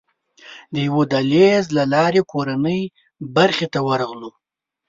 د یوه دهلېز له لارې کورنۍ برخې ته ورغلو.